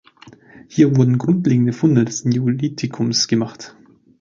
Hier wurden grundlegende Funde des Neolithikums gemacht.